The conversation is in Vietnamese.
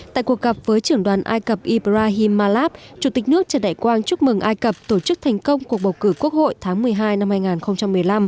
tại cuộc gặp với trưởng đoàn ai cập ibrahimalav chủ tịch nước trần đại quang chúc mừng ai cập tổ chức thành công cuộc bầu cử quốc hội tháng một mươi hai năm hai nghìn một mươi năm